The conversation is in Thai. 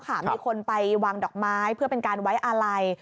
มีคนไปวางดอกไม้เพื่อเป็นการไว้อาลัย